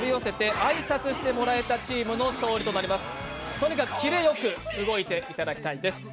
とにかくキレよく動いていただきたいです。